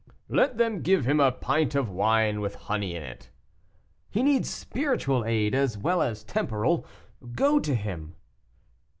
"Let them give him a pint of wine with honey in it." "He needs spiritual aid as well as temporal. Go to him."